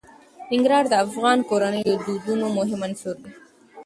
ننګرهار د افغان کورنیو د دودونو مهم عنصر دی.